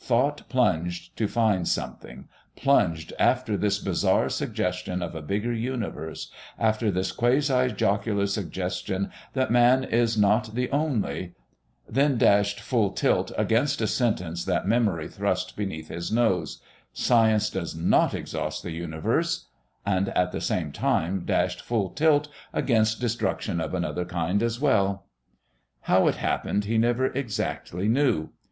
Thought plunged to find something plunged after this bizarre suggestion of a bigger universe, after this quasi jocular suggestion that man is not the only then dashed full tilt against a sentence that memory thrust beneath his nose: "Science does not exhaust the Universe" and at the same time dashed full tilt against destruction of another kind as well...! How it happened, he never exactly knew.